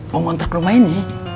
mau ngontrak rumah ini